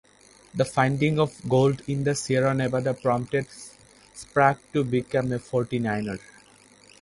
The finding of gold in the Sierra Nevada prompted Sprague to become a "Forty-Niner".